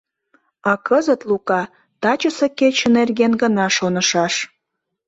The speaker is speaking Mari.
А кызыт Лука тачысе кече нерген гына шонышаш.